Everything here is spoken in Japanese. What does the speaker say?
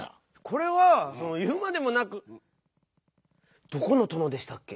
これはいうまでもなくどこのとのでしたっけ？